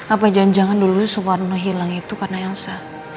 apa janjangan dulu sumbarno hilang itu karena elsa